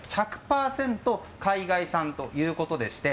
これ、１００％海外産ということでして。